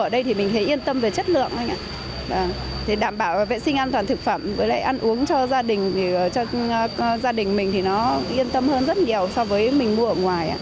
sinh an toàn thực phẩm với lại ăn uống cho gia đình cho gia đình mình thì nó yên tâm hơn rất nhiều so với mình mua ở ngoài